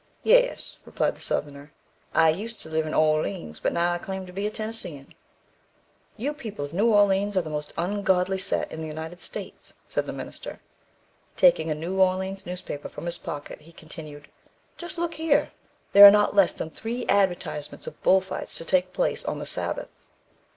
"Yes," replied the Southerner, "I used to live in Orleans, but now I claim to be a Tennessean." "Your people of New Orleans are the most ungodly set in the United States," said the minister. Taking a New Orleans newspaper from his pocket he continued, "Just look here, there are not less than three advertisements of bull fights to take place on the Sabbath.